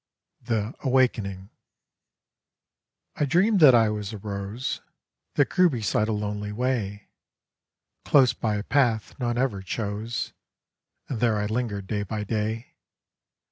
THE AWAKENING I dreamed that I was a rose That grew beside a lonely way, Close by a path none ever chose, And there I lingered day by day.